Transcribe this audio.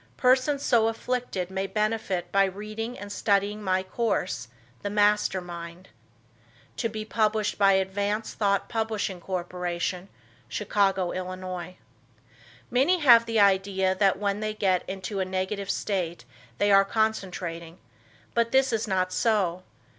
Persons so afflicted may benefit by reading and studying my course, "The Master Mind."[*] [*] To be published by Advanced Thought Publishing Co., Chicago, Ill. Many have the idea that when they get into a negative state they are concentrating, but this is not so.